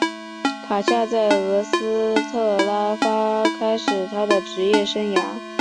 卡夏在俄斯特拉发开始他的职业生涯。